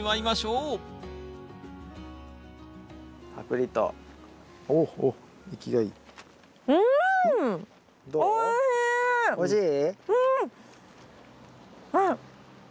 うん。